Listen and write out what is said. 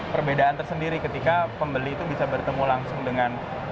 perbedaan tersendiri ketika pembeli itu bisa bertemu langsung dengan